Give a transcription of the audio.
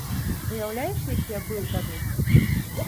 Уяўляеш, які я быў тады!